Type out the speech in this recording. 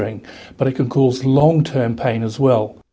rasa sakit akibat herpes sorter sangat signifikan